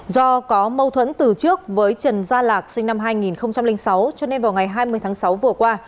do có mâu thuẫn từ trước với trần gia lạc sinh năm hai nghìn sáu cho nên vào ngày hai mươi tháng sáu vừa qua